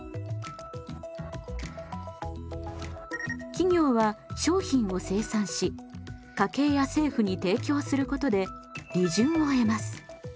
企業は商品を生産し家計や政府に提供することで利潤を得ます。